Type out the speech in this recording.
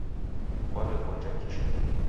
Kwaw'ekonja kisha